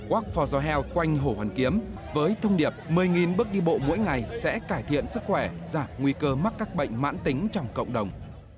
walk for the health quanh hồ hòn kiếm với thông điệp một mươi bước đi bộ mỗi ngày sẽ cải thiện sức khỏe giảm nguy cơ mắc các bệnh mãn tính trong cộng đồng